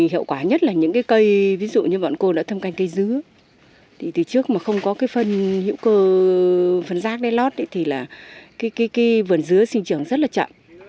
hiệu quả nhất là những cái cây ví dụ như bọn cô đã thâm canh cây dứa thì từ trước mà không có cái phân hữu cơ phân rác để lót thì là cái vườn dứa sinh trưởng rất là chậm